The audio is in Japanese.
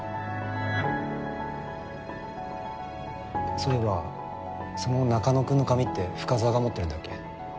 そういえばその中野くんの紙って深沢が持ってるんだっけ？